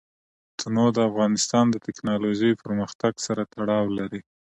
تنوع د افغانستان د تکنالوژۍ پرمختګ سره تړاو لري.